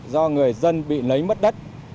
do người dân bị lấy mất đất